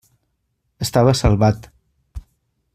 Estava salvat.